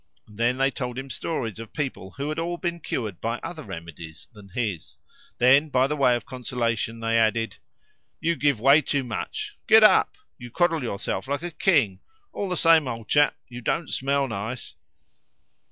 And then they told him stories of people who had all been cured by other remedies than his. Then by way of consolation they added "You give way too much! Get up! You coddle yourself like a king! All the same, old chap, you don't smell nice!"